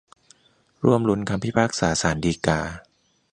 ร่วมลุ้นคำพิพากษาศาลฎีกา